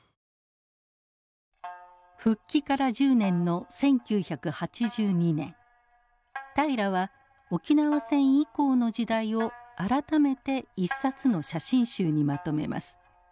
復帰から１０年の１９８２年平良は沖縄戦以降の時代を改めて一冊の写真集にまとめます。